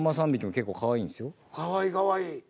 かわいいかわいい。